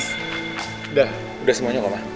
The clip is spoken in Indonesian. sudah sudah semuanya pak